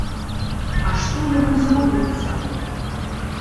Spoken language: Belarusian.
А што яму зробіцца?